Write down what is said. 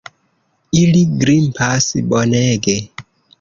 Ili grimpas bonege.